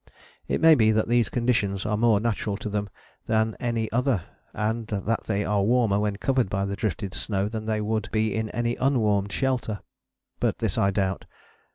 It may be that these conditions are more natural to them than any other, and that they are warmer when covered by the drifted snow than they would be in any unwarmed shelter: but this I doubt.